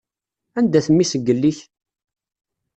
Anda-t mmi-s n yelli-k?